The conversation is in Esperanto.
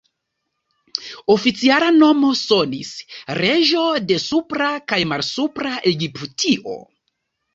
Oficiala nomo sonis ""reĝo de Supra kaj Malsupra Egiptio"".